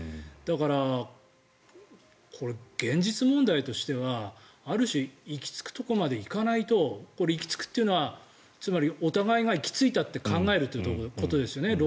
だから、現実問題としてはある種行き着くところまで行かないと行き着くというのはつまり、お互いが行き着いたって考えるってことですよね。